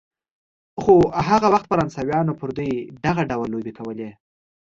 خو هغه وخت فرانسویانو پر دوی دغه ډول لوبې کولې.